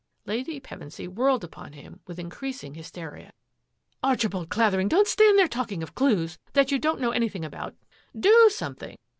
Lady Pevensy whirled upon him with increas ing hysteria. " Archibald Clavering, don't stand there talking of clues that you don't know anything about. Do something!